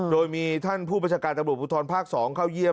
โดยมีท่านผู้บริการตรับบุตรภาค๒เข้าเยี่ยม